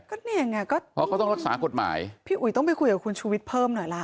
ก็เนี่ยไงก็เพราะเขาต้องรักษากฎหมายพี่อุ๋ยต้องไปคุยกับคุณชูวิทย์เพิ่มหน่อยล่ะ